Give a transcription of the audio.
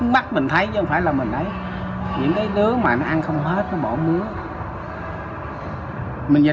mắt mình thấy chứ không phải là mình lấy